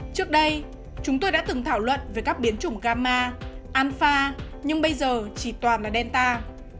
trước đây chúng tôi đã từng thảo luận về các biến chủng gama alfa nhưng bây giờ chỉ toàn là delta